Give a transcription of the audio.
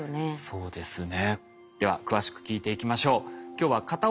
そうですね。